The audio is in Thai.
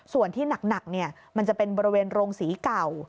ส่วนที่หนักมันจะเป็นบริเวณโรงศรีเก่า